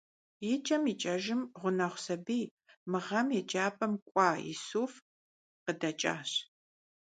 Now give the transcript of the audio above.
Икӏэм икӏэжым, гъунэгъу сабий - мы гъэм еджапӏэм кӏуа Исуф - къыдэкӏащ.